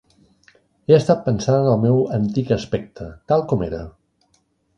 He estat pensant en el meu antic aspecte, tal com era.